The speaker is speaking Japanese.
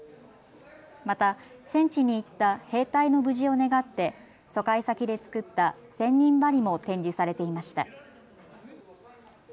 また戦地に行った兵隊の無事を願って疎開先で作った千人針も展示されていました。